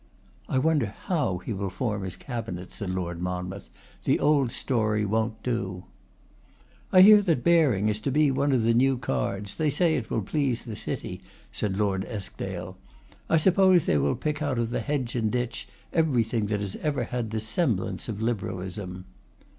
'I wonder how he will form his cabinet,' said Lord Monmouth; 'the old story won't do.' 'I hear that Baring is to be one of the new cards; they say it will please the city,' said Lord Eskdale. 'I suppose they will pick out of hedge and ditch everything that has ever had the semblance of liberalism.